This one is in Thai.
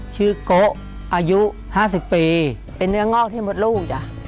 ชื่อโกะอายุห้าสิบปีเป็นเนื้องอกที่มดลูกจ้ะ